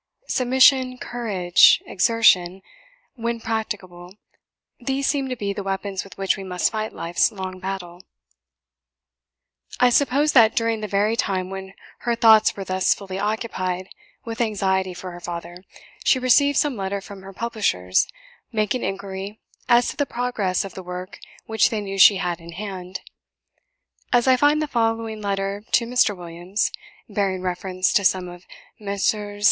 Submission, courage, exertion, when practicable these seem to be the weapons with which we must fight life's long battle." I suppose that, during the very time when her thoughts were thus fully occupied with anxiety for her father, she received some letter from her publishers, making inquiry as to the progress of the work which they knew she had in hand, as I find the following letter to Mr. Williams, bearing reference to some of Messrs.